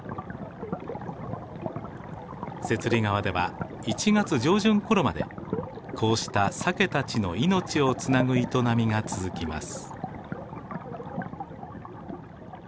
雪裡川では１月上旬ころまでこうしたサケたちの命をつなぐ営みが続きます。